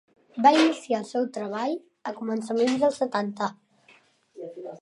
Va iniciar el seu treball a començaments dels setanta.